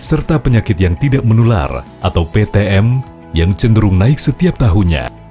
serta penyakit yang tidak menular atau ptm yang cenderung naik setiap tahunnya